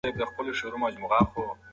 انټرنیټ د یوازیتوب احساس له منځه وړي.